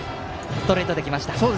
ストレートで来ました。